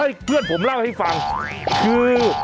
ให้เพื่อนผมเล่าให้ฟังคือ